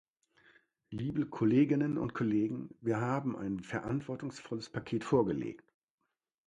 Liebe Kolleginnen und Kollegen, wir haben ein verantwortungsvolles Paket vorgelegt.